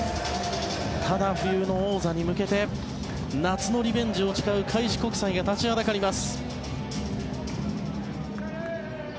ただ、冬の王座に向けて夏のリベンジを誓う開志国際が立ちはだかります。